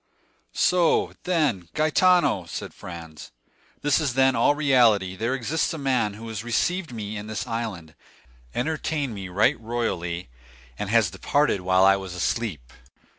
"So, then, Gaetano," said Franz, "this is, then, all reality; there exists a man who has received me in this island, entertained me right royally, and has departed while I was asleep?"